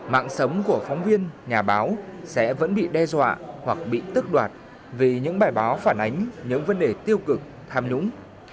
mạng sống của phóng viên nhà báo sẽ vẫn bị đe dọa hoặc bị tức đoạt vì những bài báo phản ánh những vấn đề tiêu cực tham nhũng